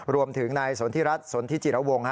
รวมถึงนายสนธิรัตน์สนธิจิระวงศ์